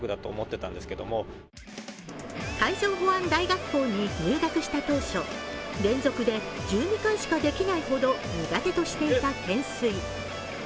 海上保安大学校に入学した当初、連続で１２回しかできないほど苦手としていた懸垂。